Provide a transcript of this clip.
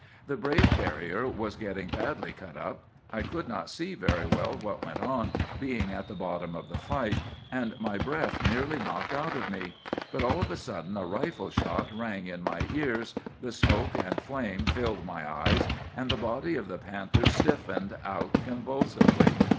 The brave terrier was getting badly cut up. I could not see very well what went on, being at the bottom of the fight, and my breath nearly knocked out of me; but all of a sudden a rifle shot rang in my ears, the smoke and flame filled my eyes, and the body of the panther stiffened out convulsively.